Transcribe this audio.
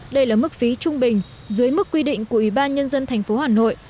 đây là mức phí trung bình dưới mức quy định của ủy ban nhân dân tp hà nội